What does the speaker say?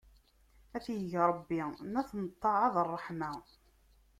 Ad t-ig Ṛebbi n at ṭṭaɛa d ṛṛeḥma!